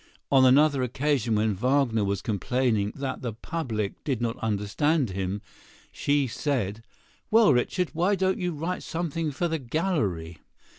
On another occasion when Wagner was complaining that the public did not understand him, she said: "Well, Richard, why don't you write something for the gallery?"